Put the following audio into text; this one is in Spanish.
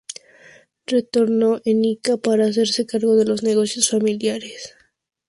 Retornó a Ica para hacerse cargo de los negocios familiares.